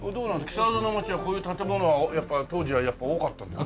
木更津の街はこういう建物はやっぱ当時は多かったんですか？